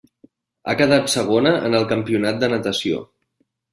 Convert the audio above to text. Ha quedat segona en el campionat de natació.